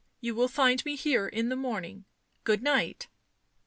" You will find me here in the morning. Good night."